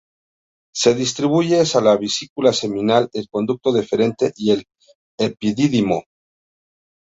Se distribuye hacia la vesícula seminal, el conducto deferente y el epidídimo.